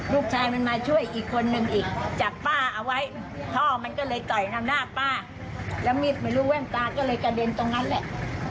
ลูกชายมันมาช่วยอีกคนนึงอีกจับป้าเอาไว้พ่อมันก็เลยต่อยนำหน้าป้าแล้วมีดไม่รู้แว่นตาก็เลยกระเด็นตรงนั้นแหละ